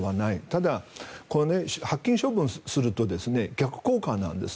ただ、発禁処分すると逆効果なんです。